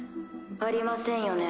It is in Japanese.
ありませんよね。